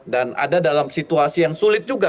dan ada dalam situasi yang sulit juga